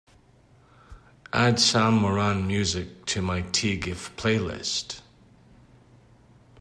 Add Sam Moran music to my tgif playlist